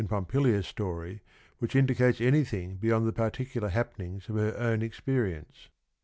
Pompilia's story which indicates anything beyond the particular happenings of her own experience.